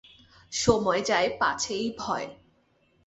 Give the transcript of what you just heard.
সময় যায় পাছে এই ভয়।